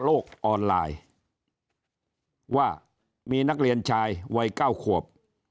ออนไลน์ว่ามีนักเรียนชายวัยเก้าขวบ